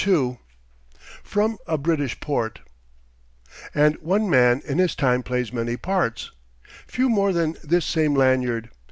II FROM A BRITISH PORT "And one man in his time plays many parts": few more than this same Lanyard.